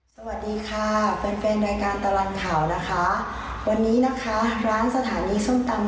สวัสดีค่ะแฟนแฟนรายการตลอดข่าวนะคะวันนี้นะคะร้านสถานีส้มตำ